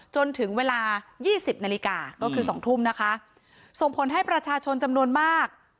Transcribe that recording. จนถึงเวลายี่สิบนาฬิกาก็คือสองทุ่มนะคะส่งผลให้ประชาชนจำนวนมาก